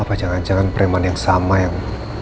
apa jangan jangan preman yang sama yang